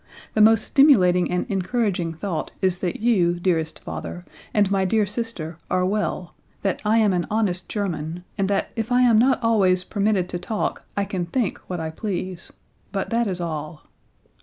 The most stimulating and encouraging thought is that you, dearest father, and my dear sister, are well, that I am an honest German, and that if I am not always permitted to talk I can think what I please; but that is all."